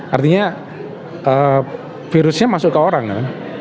artinya virusnya masuk ke orang ya